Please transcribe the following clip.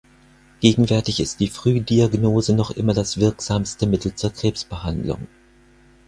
Gegenwärtig ist die Frühdiagnose noch immer das wirksamste Mittel zur Krebsbehandlung.